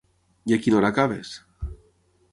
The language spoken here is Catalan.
I a quina hora acabes?